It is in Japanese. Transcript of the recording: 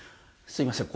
すいません。